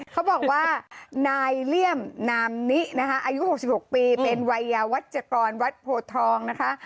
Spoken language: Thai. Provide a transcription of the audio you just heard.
เขาบอกว่านายเลี่ยมนามนินะคะอายุ๖๖ปีเป็นวัยยาวัชกรวัดโพทองนะคะ